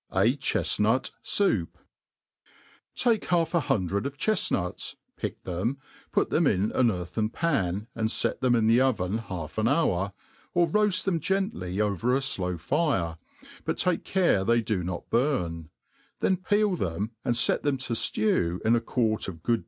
jf Che/nut Soup. TAKE half a hundred of chefnuts, pick them, put them in an earthen pan, and fet thetn in the oven half an hour, or roaft them gently over a flow fire, but take care thty do not> burn I then peel them, ^nd fet them to itew in a quart of good beef.